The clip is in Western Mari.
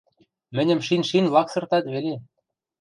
Мӹньӹм шин-шин лаксыртат веле.